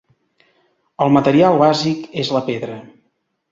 El material bàsic és la pedra.